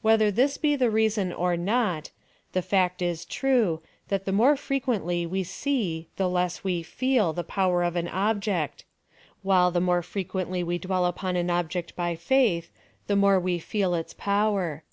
Whether this be the reason or not, the fact is true, that the more frequently we see the less we feel the power of an object ; while the niore frequently we dwell upon an object by faith, the more we feel its [>ower.